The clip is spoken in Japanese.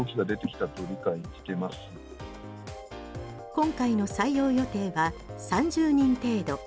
今回の採用予定は３０人程度。